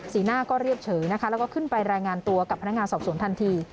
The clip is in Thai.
หน้าก็เรียบเฉยนะคะแล้วก็ขึ้นไปรายงานตัวกับพนักงานสอบสวนทันที